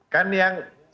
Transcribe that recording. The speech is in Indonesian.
kan yang menemukan